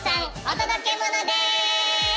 お届けモノです！